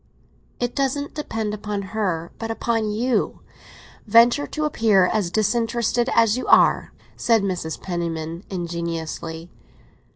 "It doesn't depend upon her, but upon you. Venture to appear as disinterested as you are!" said Mrs. Penniman ingeniously.